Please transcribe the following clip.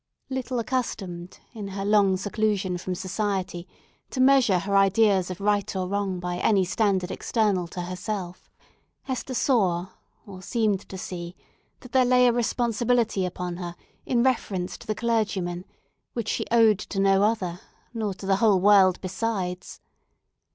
Little accustomed, in her long seclusion from society, to measure her ideas of right and wrong by any standard external to herself, Hester saw—or seemed to see—that there lay a responsibility upon her in reference to the clergyman, which she owned to no other, nor to the whole world besides.